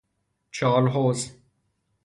چالحوض